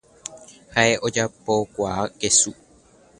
Ha’e ojapokuaa kesu.